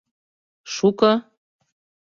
— Шуко?